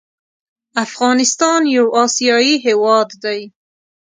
افغانستان يو اسياى هيواد دى